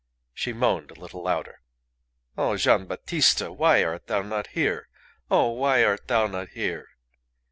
She moaned a little louder. "Oh! Gian' Battista, why art thou not here? Oh! why art thou not here?"